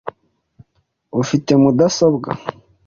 Ufite mudasobwa?